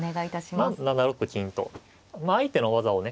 まず７六金と相手の技をね